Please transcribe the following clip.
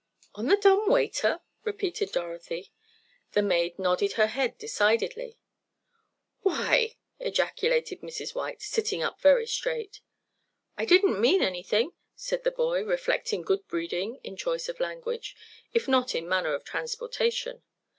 "On the dumb waiter?" repeated Dorothy. The maid nodded her head decidedly. "Why!" ejaculated Mrs. White, sitting up very straight. "I didn't mean anything," said the boy, reflecting good breeding in choice of language, if not in manner of transportation.